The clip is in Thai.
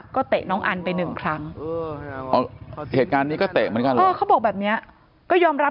ก็เตะน้องอันไปนึงครั้งเขาบอกแบบเนี้ยก็ยอมรับ